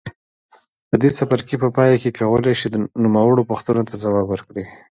د دې څپرکي په پای کې کولای شئ نوموړو پوښتنو ته ځواب ورکړئ.